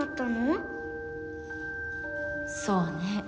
そうね。